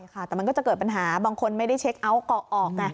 ใช่ค่ะแต่มันก็จะเกิดปัญหาบางคนไม่ได้เช็กอาวต์กรอกออก